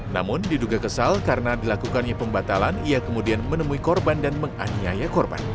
namun diduga kesal karena dilakukannya pembatalan ia kemudian menemui korban dan menganiaya korban